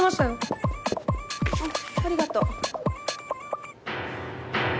あっありがとう。